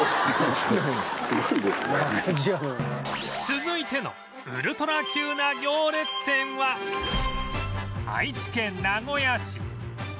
続いてのウルトラ級な行列店は愛知県名古屋市